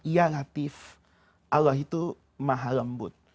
ya latif allah itu maha lembut